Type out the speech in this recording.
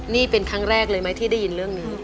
นี่เป็นครั้งแรกเลยไหมที่ได้ยินเรื่องนี้